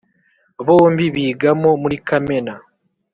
bombi bigamo muri kamena.